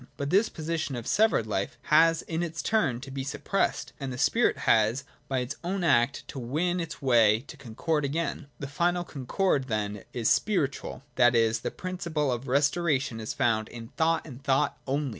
But this position of severed life has in its turn to be suppressed, and the spirit has by its own act to win its way to concord again. The 24.J STORY OF THE FALL. 55 final concord then is spiritual ; that is, the principle of re storation is found in thought, and thought only.